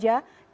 yang sama saja